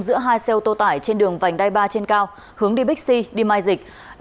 giữa hai xe ô tô tải trên đường vành đai ba trên cao hướng đi bixi đi mai dịch